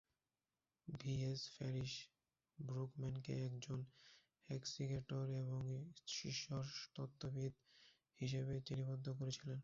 V. S. Parish ব্রুগম্যানকে একজন exegetor এবং ঈশ্বরতত্ত্ববিদ হিসেবে শ্রেণীবদ্ধ করেছিলেন।